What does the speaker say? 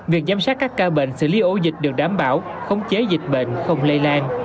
việc giám sát các ca bệnh xử lý ổ dịch được đảm bảo khống chế dịch bệnh không lây lan